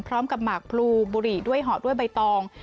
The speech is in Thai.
พร้อมกับหมากพรูบุรีด้วยหอด้วยใบตอง